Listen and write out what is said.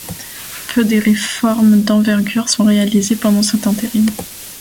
Peu de réformes d’envergure sont réalisées pendant cet intérim.